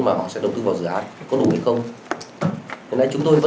mặt bằng thì đều nhận trách nhiệm